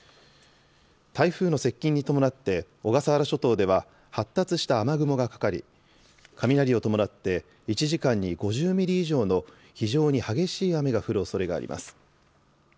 台風の接近に伴って、小笠原諸島では発達した雨雲がかかり、雷を伴って１時間に５０ミリ以上の非常に激しい雨が降るおそれがあります。